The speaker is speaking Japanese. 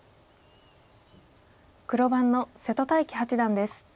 黒番の瀬戸大樹八段です。